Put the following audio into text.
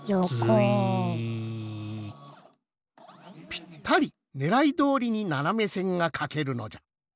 ぴったりねらいどおりにななめせんがかけるのじゃ。